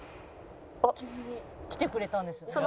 「来てくれたんです」